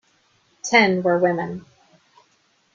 Ten were women.